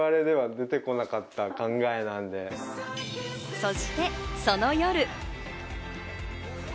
そしてその夜。